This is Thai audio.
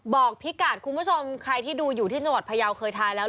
บอกพี่กัดคุณผู้ชมใครที่ดูอยู่ที่จังหวัดพยาวเคยทายแล้ว